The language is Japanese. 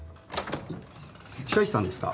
白石さんですか？